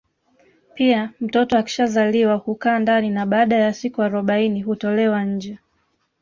Pia mtoto akishazaliwa hukaa ndani na baada ya siku arobaini hutolewa nje